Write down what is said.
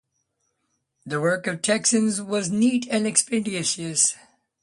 The work of the Texans was neat and expeditious.